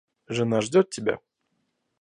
Жена ждет тебя.